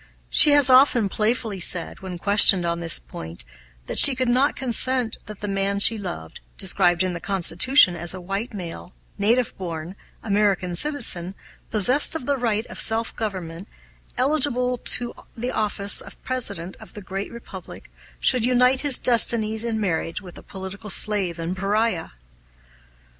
She has often playfully said, when questioned on this point, that she could not consent that the man she loved, described in the Constitution as a white male, native born, American citizen, possessed of the right of self government, eligible to the office of President of the great Republic, should unite his destinies in marriage with a political slave and pariah.